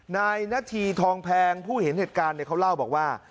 นายนาธีทองแพงผู้เห็นเหตุการณ์เขาเล่าบอกว่า